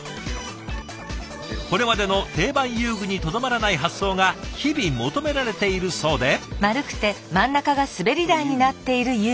これまでの定番遊具にとどまらない発想が日々求められているそうで。